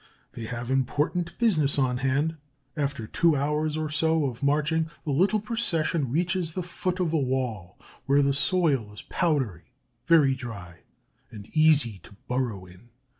They have important business on hand. After two hours or so of marching, the little procession reaches the foot of a wall, where the soil is powdery, very dry, and easy to burrow in.